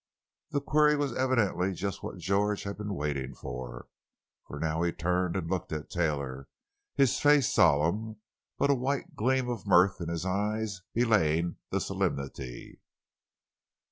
The query was evidently just what "George" had been waiting for. For now he turned and looked at Taylor, his face solemn, but a white gleam of mirth in his eyes belying the solemnity.